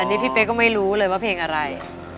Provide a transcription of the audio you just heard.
อันนี้พี่เป๊กก็ไม่รู้เลยว่าเพลงอะไร